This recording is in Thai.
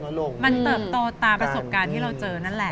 มันเติบโตตามประสบการณ์ที่เราเจอนั่นแหละ